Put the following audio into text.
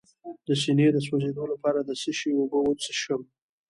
د سینې د سوځیدو لپاره د څه شي اوبه وڅښم؟